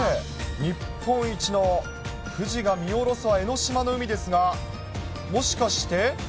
日本一の富士が見下ろすは江の島の海ですが、もしかして？